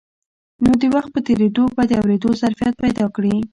نو د وخت په تېرېدو به د اورېدو ظرفيت پيدا کړي.